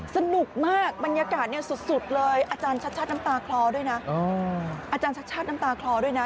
สนุกมากบรรยากาศสุดเลยอาจารย์ชัดน้ำตาคลอด้วยนะ